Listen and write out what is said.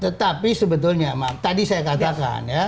tetapi sebetulnya maaf tadi saya katakan ya